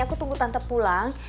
aku tunggu tante pulang